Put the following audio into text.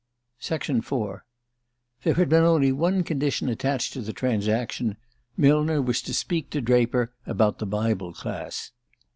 IV THERE had been only one condition attached to the transaction: Millner was to speak to Draper about the Bible Class.